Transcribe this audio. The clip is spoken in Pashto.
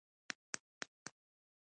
دوستي د ژوند نور دی.